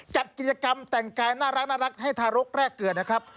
จัดกิจกรรมแต่งกายน่ารักให้ทารกแรกเกิดนะครับ